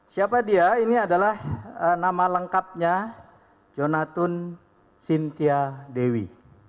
siapa dia ini adalah nama lengkapnya jonathan sintiadewi